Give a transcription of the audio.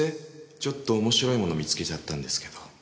ちょっと面白いもの見つけちゃったんですけど。